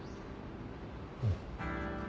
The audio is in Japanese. うん。